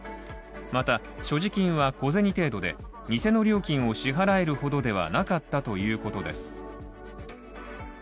また、所持金は小銭程度で、店の料金を支払えるほどではなかったということです